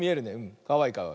かわいいかわいい。